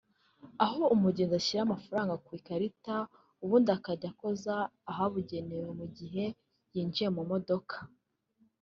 aho umugenzi ashyira amafaranga ye ku ikarita ubundi akajya akoza ahabugenewe mu gihe yinjiye mu modoka